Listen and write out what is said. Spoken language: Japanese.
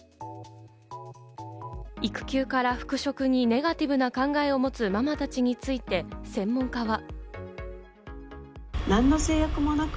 育休から復職にネガティブな考えを持つママたちについて専門家は。